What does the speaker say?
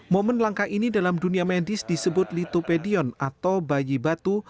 momen langka ini dalam dunia medis disebut litopedion atau bayi batu